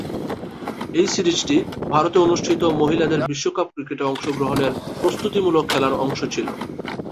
এ সিরিজটি ভারতে অনুষ্ঠিত মহিলাদের বিশ্বকাপ ক্রিকেটে অংশগ্রহণের প্রস্তুতিমূলক খেলার অংশ ছিল।